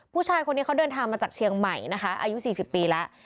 ผู้ชายคนนี้เขาเดินทางมาจากเชียงใหม่นะคะอายุ๔๐ปีแล้ว